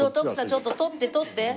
ちょっと撮って撮って！